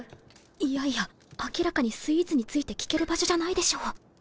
いやいや明らかにスイーツについて聞ける場所じゃないでしょ